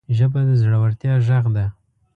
ژبه د زړورتیا غږ ده